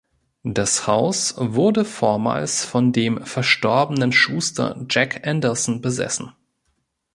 Das Haus wurde vormals von dem verstorbenen Schuster Jack Anderson besessen.